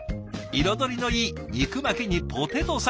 彩りのいい肉巻きにポテトサラダ。